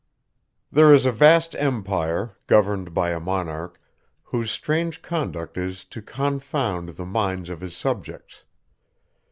There is a vast empire, governed by a monarch, whose strange conduct is to confound the minds of his subjects.